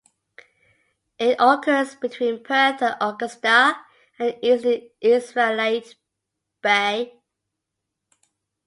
It occurs between Perth and Augusta and east to Israelite Bay.